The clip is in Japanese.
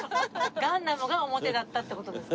ガンダムが表だったって事ですか？